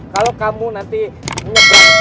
kalau kamu nanti nyebrang